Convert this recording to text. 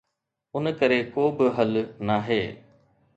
ان ڪري ڪو به حل ناهي.